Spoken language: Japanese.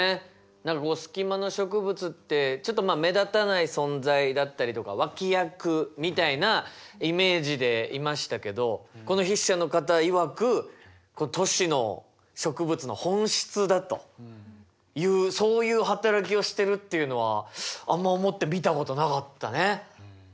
何かこうスキマの植物ってちょっとまあ目立たない存在だったりとか脇役みたいなイメージでいましたけどこの筆者の方いわく都市の植物の本質だというそういう働きをしてるっていうのはあんま思って見たことなかったね。